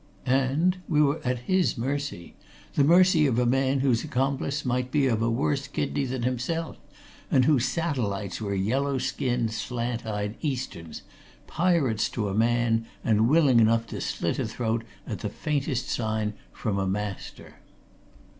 And we were at his mercy; the mercy of a man whose accomplice might be of a worse kidney than himself, and whose satellites were yellow skinned slant eyed Easterns, pirates to a man, and willing enough to slit a throat at the faintest sign from a master.